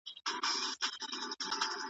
بې زړه سرتیری په جنګ کي لومړی وژل کیږي.